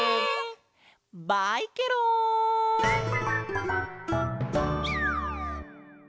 バイケロン！